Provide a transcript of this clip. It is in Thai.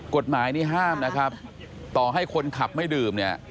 กฎหมายนี้ห้ามนะครับต่อให้คนขับไม่ดื่มเนี่ย